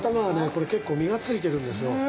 これ結構身がついてるんですよ。